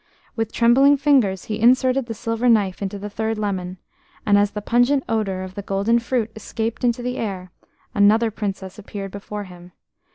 With trembling fingers he inserted the silver knife into the third lemon, and as the pungent odour of the golden fruit escaped into the air another Princess appeared before him.